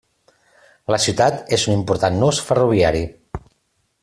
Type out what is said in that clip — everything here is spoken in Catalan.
La ciutat és un important nus ferroviari.